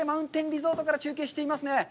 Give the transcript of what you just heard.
リゾートから中継しています。